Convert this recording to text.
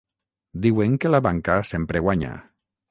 Diuen que la banca sempre guanya.